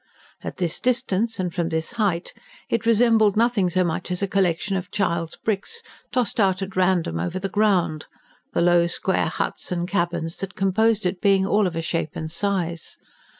At this distance, and from this height, it resembled nothing so much as a collection of child's bricks, tossed out at random over the ground, the low, square huts and cabins that composed it being all of a shape and size.